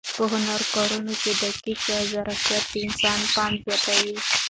په هنري کارونو کې دقت او ظرافت د انسان پام زیاتوي.